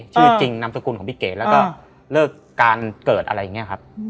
ชื่อจริงนามสกุลของพี่เก๋แล้วก็เลิกการเกิดอะไรอย่างนี้ครับ